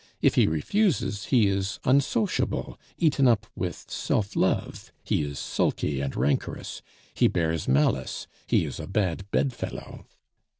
If he refuses, he is unsociable, eaten up with self love, he is sulky and rancorous, he bears malice, he is a bad bed fellow.